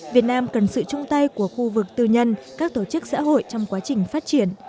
việt nam cần sự chung tay của khu vực tư nhân các tổ chức xã hội trong quá trình phát triển